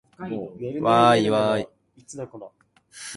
わーいわーい